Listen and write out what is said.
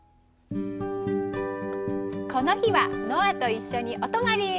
この日はノアと一緒にお泊り！